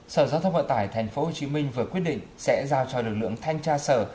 sở giao thông vận tải tp hcm vừa quyết định sẽ giao cho lực lượng thanh tra sở